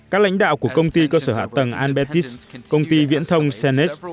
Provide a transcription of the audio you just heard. các lãnh đạo của công ty cơ sở hạ tầng anbetis công ty viễn thông senes